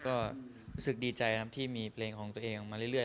ก็รู้สึกดีใจครับที่มีเพลงของตัวเองออกมาเรื่อย